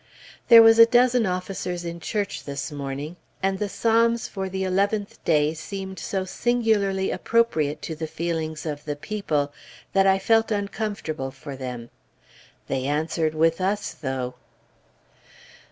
There was a dozen officers in church this morning, and the psalms for the 11th day seemed so singularly appropriate to the feelings of the people, that I felt uncomfortable for them. They answered with us, though.